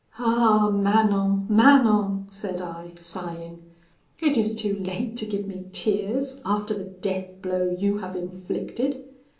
'Ah! Manon, Manon,' said I, sighing, 'it is too late to give me tears after the death blow you have inflicted.